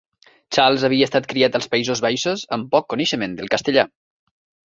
Charles havia estat criat als Països Baixos amb poc coneixement del castellà.